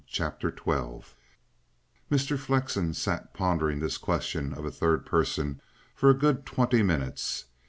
CHAPTER XII Mr. Flexen sat pondering this question of a third person for a good twenty minutes.